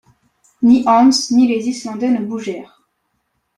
Ni Hans ni les Islandais ne bougèrent.